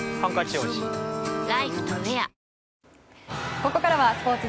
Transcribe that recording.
ここからはスポーツ。